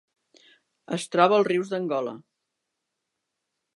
Es troba als rius d'Angola.